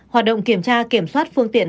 hoạt động kiểm tra kiểm soát phương tiện